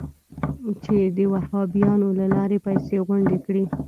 چې د وهابیانو له لارې پیسې غونډې کړي.